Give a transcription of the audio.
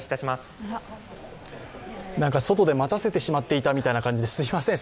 外で待たせてしまっていたみたいな感じで、すみません。